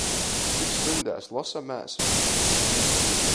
Cik stuņdēs losomēs?